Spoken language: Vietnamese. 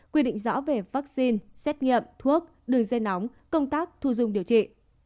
quy định rõ về vaccine xét nghiệm thuốc đường dây nóng công tác thu dung điều trị